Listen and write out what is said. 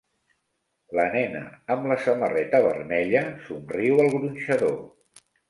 La nena amb la samarreta vermella somriu al gronxador.